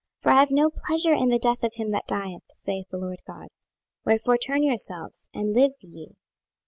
26:018:032 For I have no pleasure in the death of him that dieth, saith the Lord GOD: wherefore turn yourselves, and live ye.